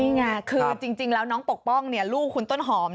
นี่แง่จริงแล้วน้องปกป้องเนี่ยลูกคุณต้นหอม